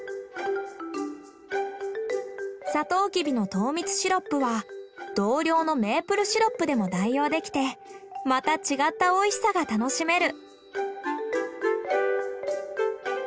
サトウキビの糖蜜シロップは同量のメープルシロップでも代用できてまた違ったおいしさが楽しめる。